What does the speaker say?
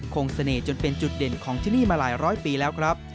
เสน่ห์จนเป็นจุดเด่นของที่นี่มาหลายร้อยปีแล้วครับ